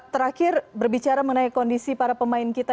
terakhir berbicara mengenai kondisi para pemain kita